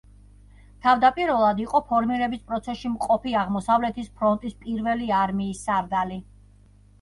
თავდაპირველად იყო ფორმირების პროცესში მყოფი აღმოსავლეთის ფრონტის პირველი არმიის სარდალი.